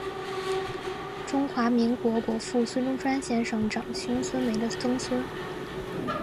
中华民国国父孙中山先生长兄孙眉的曾孙。